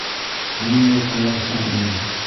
Ниндәй тыңлаусан ине.